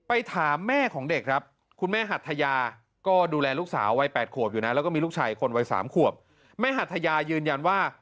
ไอ้๓๐๐๐๐๓๔๐๐๐บาทเนี่ยได้มาแค่๒๐๐๐เอง